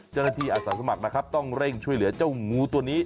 เจ้าหน้าที่อาศัยสมัครนะครับต้องเร่งช่วยเหลือเจ้างูตัวนี้